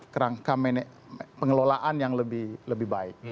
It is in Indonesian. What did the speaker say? kerangka pengelolaan yang lebih baik